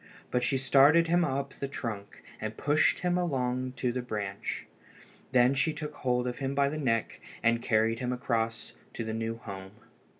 But she started him up the trunk and pushed him along to the branch. Then she took hold of him by the neck and carried him across to the new home.